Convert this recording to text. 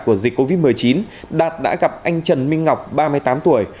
của dịch covid một mươi chín đạt đã gặp anh trần minh ngọc ba mươi tám tuổi